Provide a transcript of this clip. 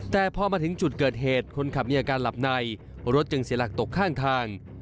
แต่พอมาถึงจุดเกิดเหตุคนขับมีอาการหลับในรถจึงเสียหลักตกข้างทาง